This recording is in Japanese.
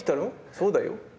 「そうだよ」。